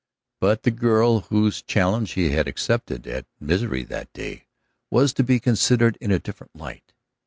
But the girl whose challenge he had accepted at Misery that day was to be considered in a different light.